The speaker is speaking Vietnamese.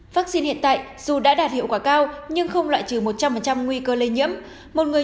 vaccine hiện tại dù đã đạt hiệu quả cao nhưng không loại trừ một trăm linh nguy cơ lây nhiễm